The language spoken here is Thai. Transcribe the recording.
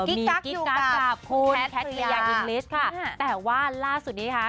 มีกิ๊กกั๊กกับคุณแคทสีพยาอังกฤษค่ะแต่ว่าล่าสุดนี้นะคะ